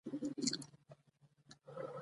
افغانستان د کندز سیند په اړه تاریخي روایتونه لري.